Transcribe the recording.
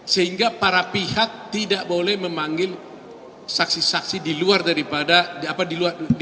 sehingga para pihak tidak boleh memanggil saksi saksi di luar daripada di luar negeri